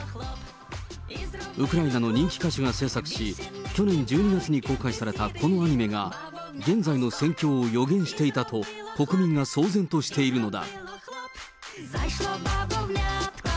ウクライナの人気歌手が制作し、去年１２月に公開されたこのアニメが、現在の戦況を予言していたと国民が騒然としているのだ。